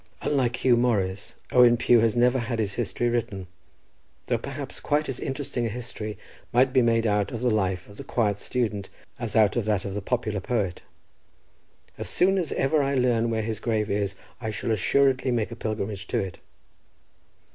Unlike Huw Morris, Owen Pugh has never had his history written, though perhaps quite as interesting a history might be made out of the life of the quiet student as out of that of the popular poet. As soon as ever I learn where his grave is, I shall assuredly make a pilgrimage to it."